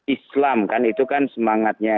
islam kan itu kan semangatnya